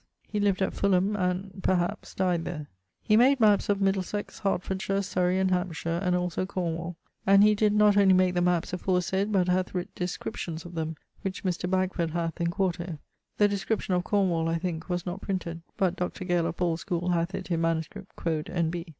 He lived at Fulham, and (perhaps) died there. He made mappes of Middlesex, Hartfortshire, Surrey, and Hampshire, and also Cornwall; and he did not only make the mappes aforesaid but hath writt descriptions of them, which Mr. Bagford hath, in quarto. The description of Cornwall (I thinke) was not printed; but Dr. Gale of Paule's schoole hath it in manuscript, quod N.B.